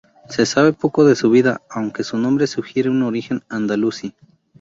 Se sabe poco de su vida, aunque su nombre sugiere un origen andalusí.